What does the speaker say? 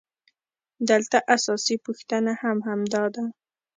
دلته اساسي پوښتنه هم همدا ده